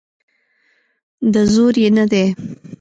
د زور یې نه دی.